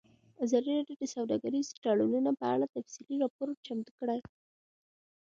ازادي راډیو د سوداګریز تړونونه په اړه تفصیلي راپور چمتو کړی.